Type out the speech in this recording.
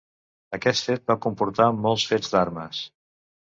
Aquest fet va comportar molts fets d'armes.